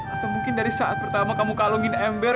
atau mungkin dari saat pertama kamu kalungin ember